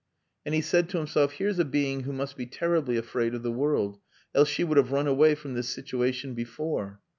And he said to himself, "Here's a being who must be terribly afraid of the world, else she would have run away from this situation before."